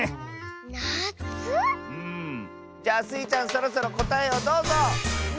じゃあスイちゃんそろそろこたえをどうぞ！